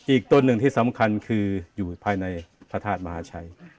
อีกต้นหนึ่งที่สำคัญคืออยู่ภายในพระธาตุมหาชัย